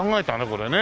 これね。